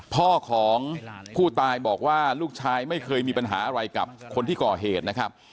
พ่อของผู้ตายบอกว่าลูกชายไม่เคยมีปัญหาอะไรกับคนที่ก่อเหตุนะครับ